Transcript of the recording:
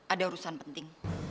ada urusan penting